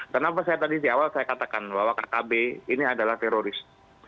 kenapa saya tadi di awal saya katakan bahwa kkb ini adalah teroris